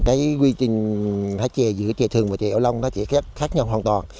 cái quy trình hái chè giữa chè thường và chè ô long nó sẽ khác nhau hoàn toàn